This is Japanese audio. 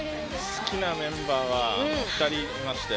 好きなメンバーは２人いまして。